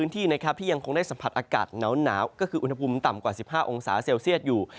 ที่ยังคงได้สัมผัสอากาศหนาวก็คืออุณหภูมิต่ำกว่า๑๕องศาเซลเซียตอยู่